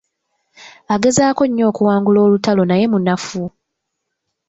Agezaako nnyo okuwangula olutalo, naye munafu.